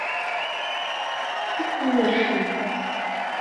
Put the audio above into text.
Ad ken-nerfed.